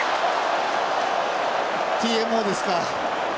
ＴＭＯですか。